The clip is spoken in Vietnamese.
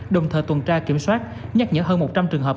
đồng thời tuần tra kiểm soát nhắc nhở hơn một trăm linh trường hợp